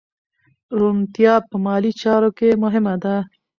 روڼتیا په مالي چارو کې مهمه ده.